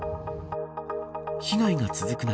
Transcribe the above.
被害が続く中